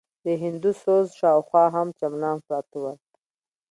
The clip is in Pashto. د هندوسوز شاوخوا هم چمنان پراته ول.